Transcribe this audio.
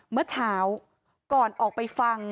เมื่อเช้าก่อนออกไปฟัง